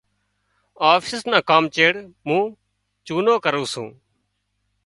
آفيس نا ڪام چيڙ مُون ڇُٽُو ڪرُون سُون۔